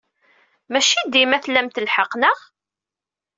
Maci dima tlamt lḥeqq, naɣ?